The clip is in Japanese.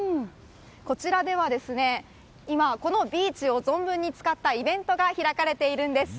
こちらでは今このビーチを存分に使ったイベントが開かれているんです。